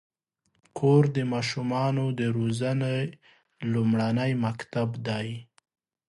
کور د ماشومانو د روزنې لومړنی مکتب دی.